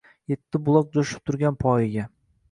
Yetti buloq jo’shib turgan poyiga